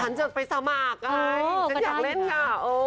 ฉันจะไปสมัครไงฉันอยากเล่นค่ะ